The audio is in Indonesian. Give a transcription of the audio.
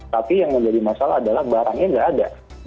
tapi yang menjadi masalah adalah barangnya nggak ada